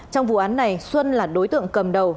trong vụ án này xuân là đối tượng cầm đầu